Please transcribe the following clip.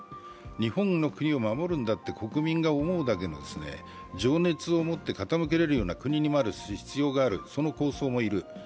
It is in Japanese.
日本の国を守るんだって国民が思うだけ情熱を持って傾けられる国になる必要もある、その構想も要る。